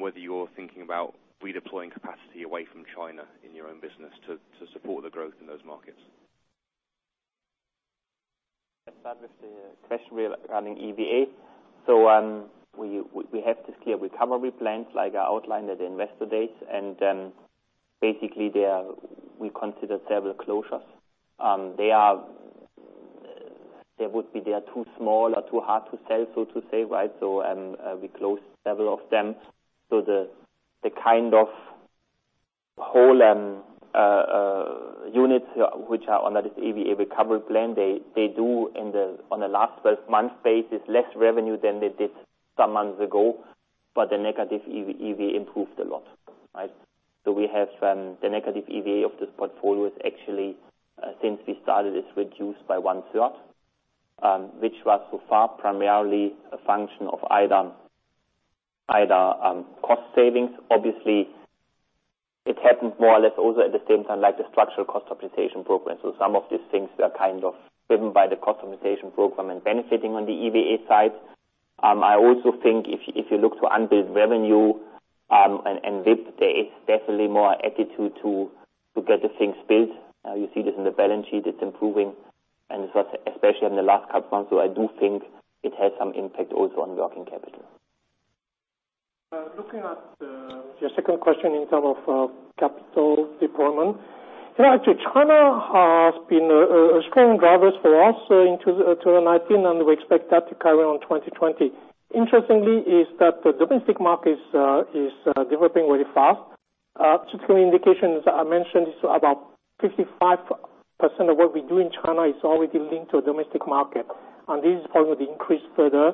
Whether you're thinking about redeploying capacity away from China in your own business to support the growth in those markets. I'll start with the question regarding EVA. We have this clear recovery plans like I outlined at the investor days. Basically, we considered several closures. They are too small or too hard to sell, so to say, right? We closed several of them. Whole units which are under this EVA recovery plan, they do on the last 12-month basis, less revenue than they did some months ago, but the negative EVA improved a lot. We have the negative EVA of this portfolio is actually, since we started, it's reduced by one-third, which was so far primarily a function of either cost savings. Obviously, it happened more or less also at the same time, like the structural cost optimization program. Some of these things were kind of driven by the cost optimization program and benefiting on the EVA side. I also think if you look to unbilled revenue, and WIP, there is definitely more attitude to get the things billed. You see this in the balance sheet, it's improving. Especially in the last couple months, so I do think it has some impact also on working capital. Looking at your second question in terms of capital deployment. Actually, China has been a strong driver for us in 2019, and we expect that to carry on in 2020. Interestingly, is that the domestic market is developing really fast. Just some indications I mentioned, so about 55% of what we do in China is already linked to a domestic market. This is probably increase further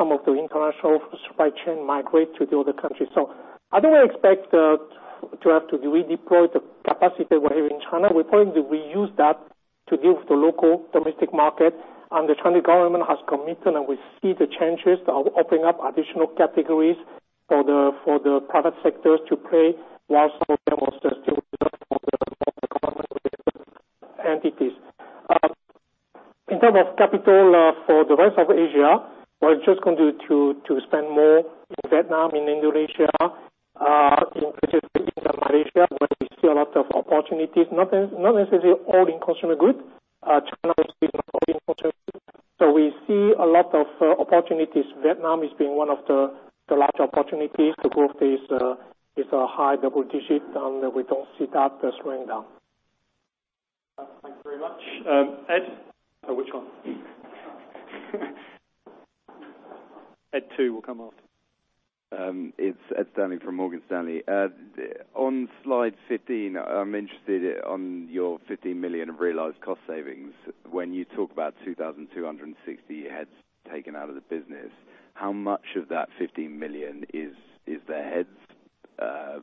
some of the international supply chain migrate to the other countries. I don't expect to have to redeploy the capacity we have in China. We probably reuse that to serve the local domestic market, and the Chinese government has committed, and we see the changes of opening up additional categories for the product sectors to play while entities. In terms of capital for the rest of Asia, we're just going to spend more in Vietnam, in Indonesia, in Malaysia, where we see a lot of opportunities, not necessarily all in consumer goods. China will still be important. We see a lot of opportunities. Vietnam is being one of the large opportunities. The growth is high double digits, and we don't see that slowing down. Thanks very much. Ed? Which one? Ed two will come after. It's Ed Stanley from Morgan Stanley. On slide 15, I'm interested on your 15 million of realized cost savings. When you talk about 2,260 heads taken out of the business, how much of that 15 million is the heads,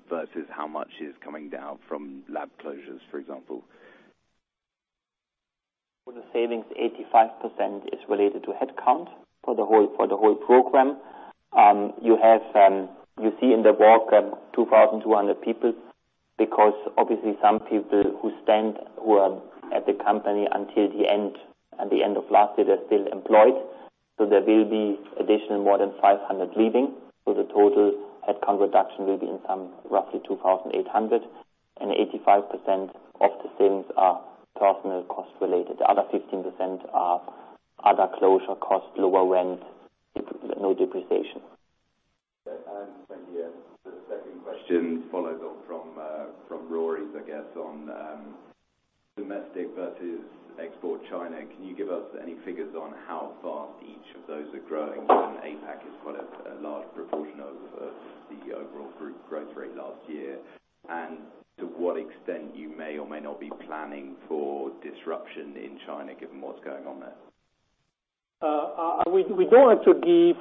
versus how much is coming down from lab closures, for example? For the savings, 85% is related to headcount for the whole program. You see in the work, 2,200 people, because obviously some people who are at the company until the end of last year, they're still employed. There will be additional more than 500 leaving. The total headcount reduction will be roughly 2,800. 85% of the savings are personal cost related. The other 15% are other closure costs, lower rent, no depreciation. Okay. Thank you. The second question follows on from Rory's, I guess on domestic versus export China. Can you give us any figures on how fast each of those are growing given APAC is quite a large proportion of the overall group growth rate last year? To what extent you may or may not be planning for disruption in China given what's going on there? We don't want to give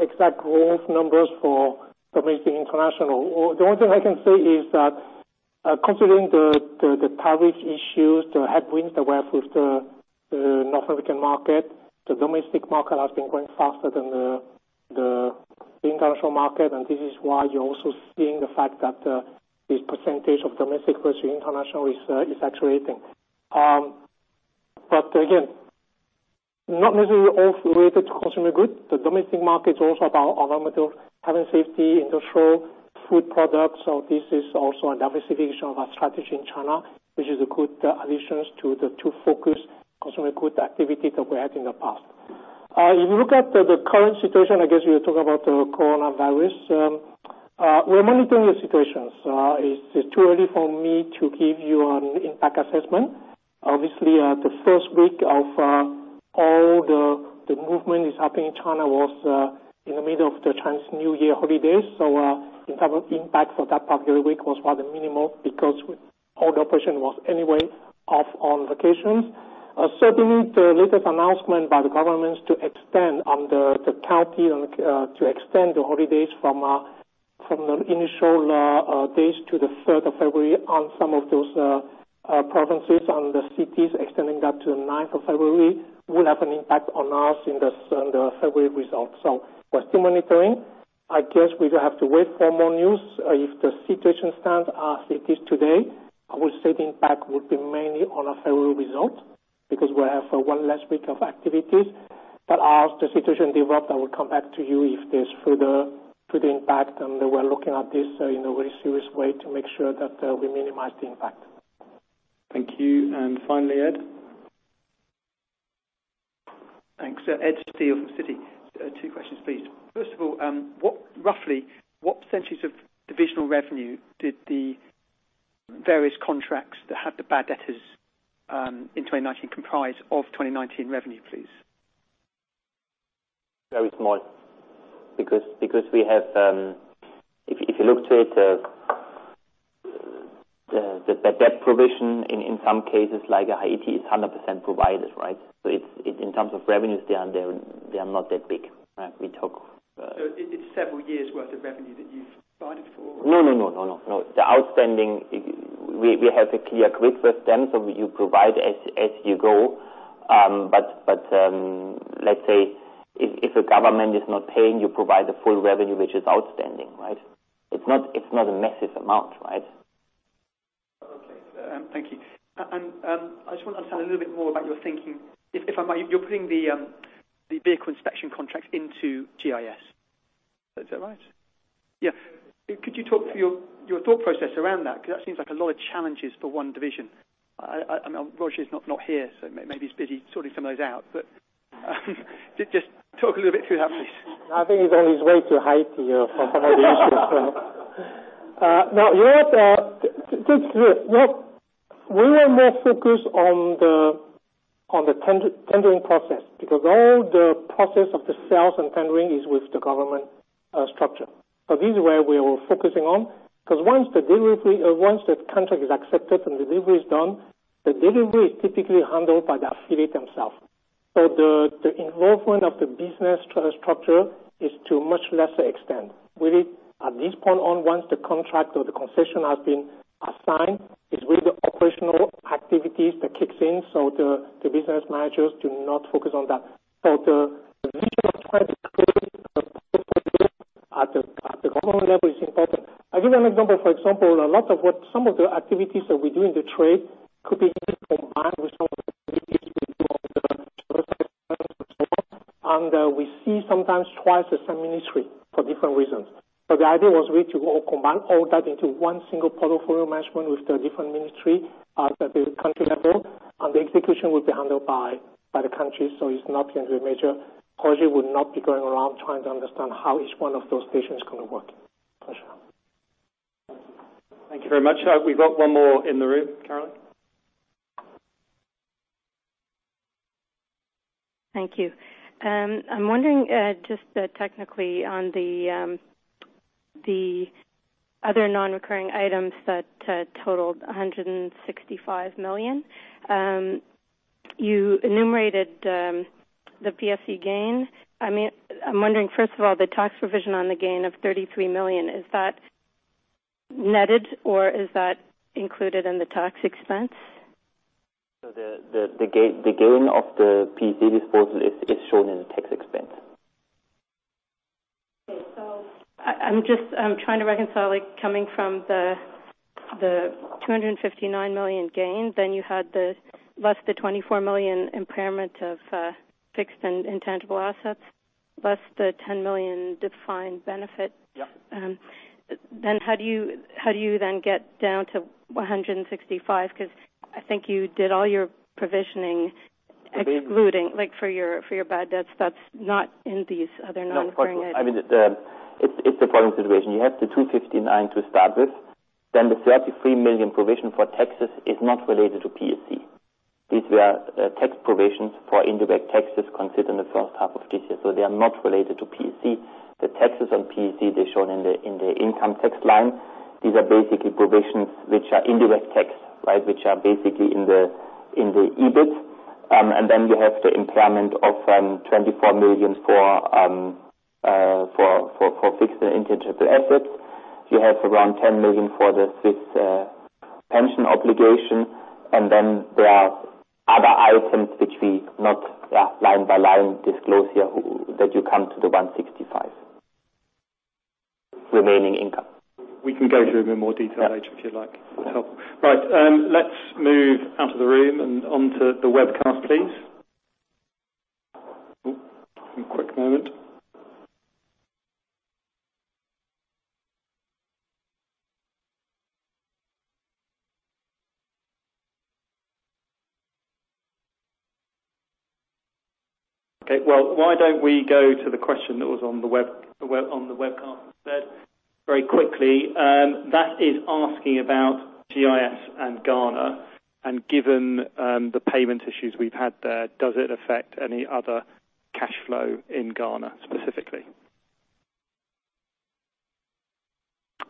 exact growth numbers for domestic and international. The only thing I can say is that considering the tariff issues, the headwinds that we have with the North American market, the domestic market has been growing faster than the international market, this is why you're also seeing the fact that this percentage of domestic versus international is actuating. Again, not necessarily all related to consumer goods. The domestic market is also about Environmental Health and Safety, Industrial, Food Products. This is also a diversification of our strategy in China, which is a good addition to the two focus consumer goods activities that we had in the past. If you look at the current situation, I guess you're talking about the coronavirus. We're monitoring the situation. It's too early for me to give you an impact assessment. Obviously, the first week of all the movement is happening in China was in the middle of the Chinese New Year holidays. In terms of impact for that particular week was rather minimal because all the operation was anyway off on vacations. Certainly, the latest announcement by the government to extend on the country, to extend the holidays from the initial days to the 3rd of February on some of those provinces and the cities extending that to the 9th of February, will have an impact on us in the February results. We're still monitoring. I guess we will have to wait for more news. If the situation stands as it is today, I would say the impact would be mainly on our February result because we have one less week of activities. As the situation develops, I will come back to you if there's further impact, and we're looking at this in a very serious way to make sure that we minimize the impact. Thank you. Finally, Ed. Thanks. Ed from Citi. Two questions, please. First of all, roughly, what percentage of divisional revenue did the various contracts that had the bad debtors in 2019 comprise of 2019 revenue, please? Very small. If you look to it, the debt provision in some cases, like Haiti, is 100% provided, right? In terms of revenues, they are not that big, right? It's several years' worth of revenue that you've provided for? No. The outstanding, we have a clear grid system, so you provide as you go. Let's say if a government is not paying you, provide the full revenue, which is outstanding, right? It's not a massive amount, right? Okay. Thank you. I just want to understand a little bit more about your thinking, if I might. You're putting the vehicle inspection contracts into GIS. Is that right? Yeah. Could you talk through your thought process around that? That seems like a lot of challenges for one division. I know Roger is not here, so maybe he's busy sorting some of those out, but just talk a little bit through that, please. I think he's on his way to Haiti from some of the issues. No, to look through it, we were more focused on the tendering process because all the process of the sales and tendering is with the government structure. This is where we were focusing on. Once the contract is accepted and delivery is done, the delivery is typically handled by the affiliate themselves. The involvement of the business structure is to a much lesser extent. At this point on, once the contract or the concession has been assigned, it's really the operational activities that kicks in, so the business managers do not focus on that. The vision of trying to create at the government level is important. I'll give you an example. For example, some of the activities that we do in the trade could be combined with some of the activities we do on the service side and so on. We see sometimes twice the same ministry for different reasons. The idea was we to combine all that into one single portfolio management with the different ministry at the country level, and the execution would be handled by the country. It's not going to be major. Roger would not be going around trying to understand how each one of those stations is going to work. Roger. Thank you very much. We've got one more in the room. Caroline? Thank you. I'm wondering just technically on the other non-recurring items that totaled 165 million. You enumerated the PSC gain. I'm wondering, first of all, the tax provision on the gain of 33 million, is that netted or is that included in the tax expense? The gain of the PSC disposal is shown in the tax expense. Okay. I'm just trying to reconcile, coming from the 259 million gain, you had less the 24 million impairment of fixed and intangible assets, less the 10 million defined benefit. Yeah. How do you then get down to 165 million? I think you did all your provisioning excluding for your bad debts, that's not in these other non-recurring. No, of course. It's the following situation. You have the 259 million to start with, then the 33 million provision for taxes is not related to PSC. These were tax provisions for indirect taxes considered in the first half of this year. They are not related to PSC. The taxes on PSC, they're shown in the income tax line. These are basically provisions which are indirect tax, which are basically in the EBIT. You have the impairment of 24 million for fixed and intangible assets. You have around 10 million for the Swiss pension obligation, and then there are other items which we not line by line disclose here, that you come to the 165 million remaining income. We can go through in more detail later if you like. Sure. Right. Let's move out of the room and onto the webcast, please. One quick moment. Okay, well, why don't we go to the question that was on the webcast then very quickly. That is asking about GIS and Ghana, and given the payment issues we've had there, does it affect any other cash flow in Ghana specifically?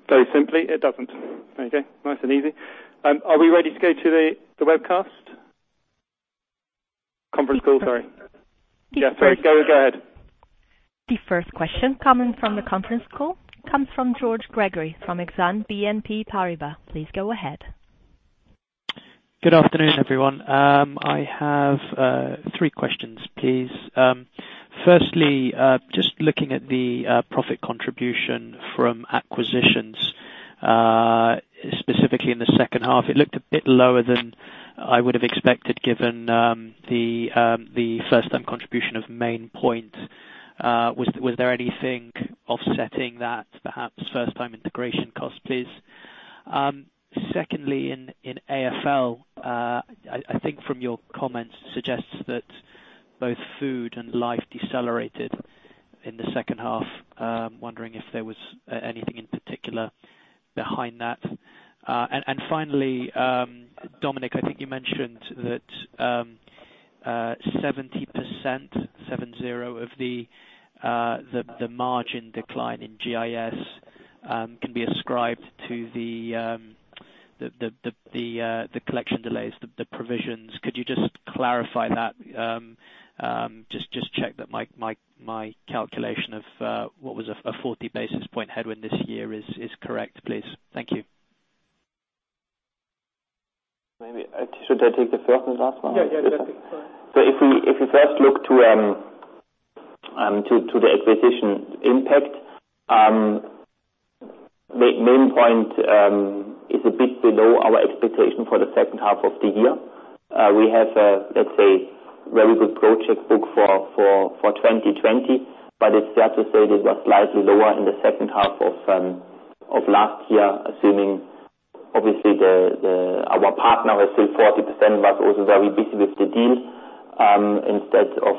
Very simply, it doesn't. There you go. Nice and easy. Are we ready to go to the webcast? Conference call, sorry. Yeah, sorry. Go ahead. The first question coming from the conference call comes from George Gregory from Exane BNP Paribas. Please go ahead. Good afternoon, everyone. I have three questions, please. Firstly, just looking at the profit contribution from acquisitions, specifically in the second half, it looked a bit lower than I would have expected given the first-time contribution of Maine Pointe. Was there anything offsetting that, perhaps first-time integration cost, please? Secondly, in AFL, I think from your comments suggests that both food and life decelerated in the second half. I am wondering if there was anything in particular behind that. Finally, Dominik, I think you mentioned that 70% of the margin decline in GIS can be ascribed to the collection delays, the provisions. Could you just clarify that, just check that my calculation of what was a 40 basis point headwind this year is correct, please? Thank you. Maybe, should I take the first and last one? Yeah. That's fine. If we first look to the acquisition impact, Maine Pointe is a bit below our expectation for the second half of the year. We have a, let's say, very good project book for 2020, but it's fair to say that it was slightly lower in the second half of last year, assuming, obviously, our partner is still 40%, but also very busy with the deal, instead of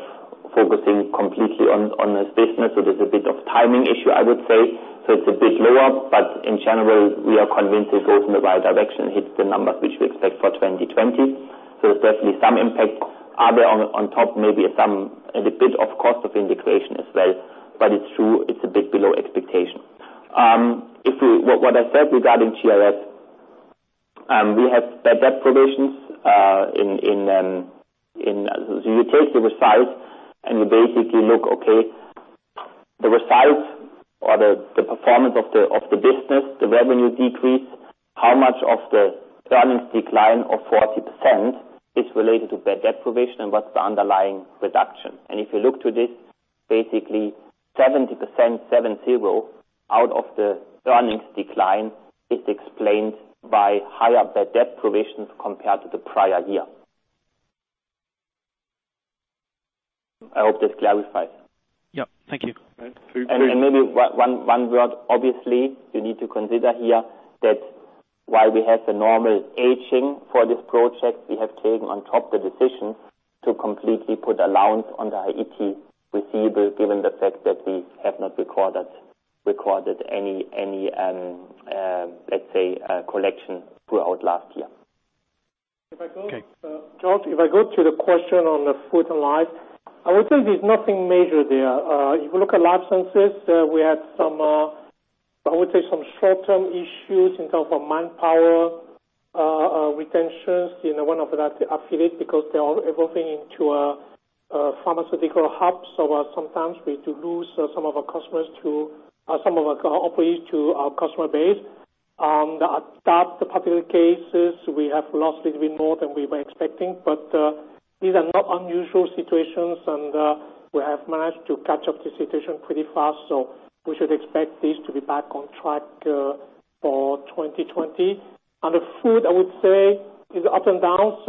focusing completely on his business. There's a bit of timing issue, I would say. It's a bit lower, but in general, we are convinced it goes in the right direction, hits the numbers which we expect for 2020. Certainly some impacts are there on top, maybe a bit of cost of integration as well. It's true, it's a bit below expectation. What I said regarding GIS, we have bad debt provisions. You take the results and you basically look, okay, the results or the performance of the business, the revenue decrease, how much of the earnings decline of 40% is related to bad debt provision, and what's the underlying reduction? If you look to this, basically 70% out of the earnings decline is explained by higher bad debt provisions compared to the prior year. I hope this clarifies. Yep, thank you. All right. Maybe one word, obviously, you need to consider here that while we have the normal aging for this project, we have taken on top the decision to completely put allowance on the Haiti receivable, given the fact that we have not recorded any, let's say, collection throughout last year. If I go- Okay. George, if I go to the question on the Food & Life, I would say there's nothing major there. If you look at life sciences, we had, I would say, some short-term issues in terms of manpower retentions in one of the affiliates, because they are evolving into a pharmaceutical hub. Sometimes we do lose some of our employees to our customer base. In that particular case, we have lost a little bit more than we were expecting. These are not unusual situations, and we have managed to catch up the situation pretty fast. We should expect this to be back on track for 2020. The food, I would say, is up and down.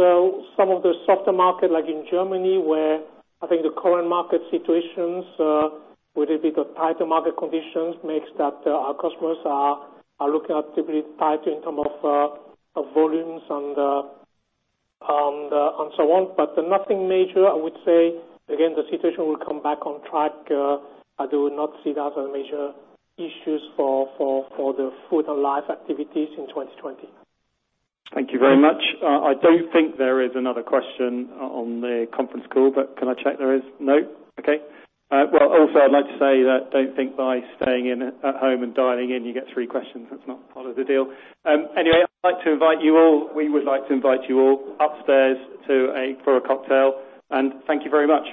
Some of the softer market, like in Germany, where I think the current market situations, with a bit of tighter market conditions, makes that our customers are looking at typically tighter in terms of volumes and so on. Nothing major, I would say. Again, the situation will come back on track. I do not see that as a major issue for the Agri Food & Life activities in 2020. Thank you very much. I don't think there is another question on the conference call, but can I check there is? No. Okay. Well, also, I'd like to say that don't think by staying in at home and dialing in, you get three questions. That's not part of the deal. Anyway, I'd like to invite you all. We would like to invite you all upstairs for a cocktail, and thank you very much.